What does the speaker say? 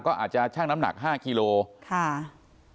ก็อาจจะชั่งน้ำหนัก๕กิโลค่ะ